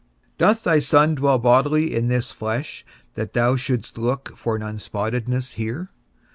Doth thy Son dwell bodily in this flesh that thou shouldst look for an unspottedness here?